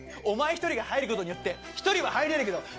「お前一人が入ることによって１人は入れるけど」